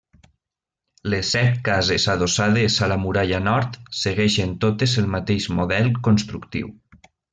Les set cases adossades a la muralla nord segueixen totes el mateix model constructiu.